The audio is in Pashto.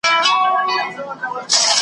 ښکاري زرکه د خپل قام په ځان بلا وه .